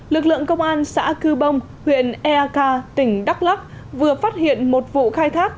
lực lượng công an xã cư bông huyện eakra tỉnh đắk lắk vừa phát hiện một vụ khai thác